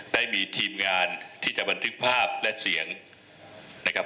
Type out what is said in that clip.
ได้มีทีมงานที่จะบันทึกภาพและเสียงนะครับ